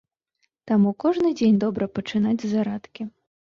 Таму кожны дзень добра пачынаць з зарадкі.